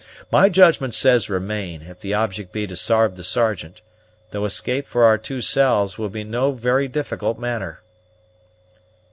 my judgment says remain, if the object be to sarve the Sergeant, though escape for our two selves will be no very difficult matter."